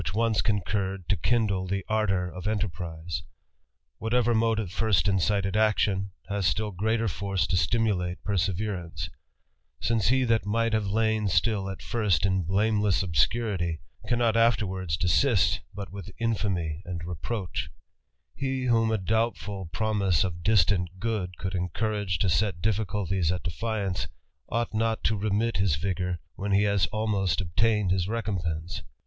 once incurred to kindle the ar^ur pf enteuapisfi,. Whatever uptive fast ^'^^'^<*^^ ^^on, h as still greater Jjnrrt^ t^ fstimnlatft giseverancej since he that might have lain still at first in i^ameless obscurity, cannot afterwards desist but with ^lamy and reproach. He, whom a doubtful promise of istant good could encourage to set difficulties at defiance, Ught not to remit his vigour, when he has almost obtained is recompense.